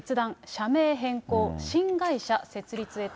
社名変更、新会社設立へと。